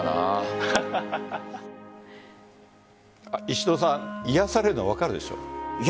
石戸さん癒やされるの分かるでしょ？